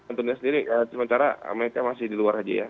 untuk dia sendiri sementara mereka masih di luar saja ya